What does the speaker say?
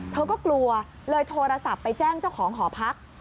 เธอก็กลัวเลยโทรศัพท์ไปแจ้งเจ้าของหอพัก